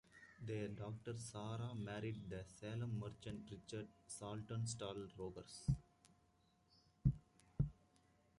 Their daughter Sarah married the Salem merchant Richard Saltonstall Rogers.